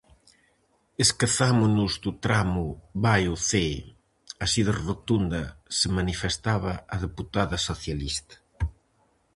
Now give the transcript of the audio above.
"Esquezámonos do tramo Baio-Cee", así de rotunda se manifestaba a deputada socialista.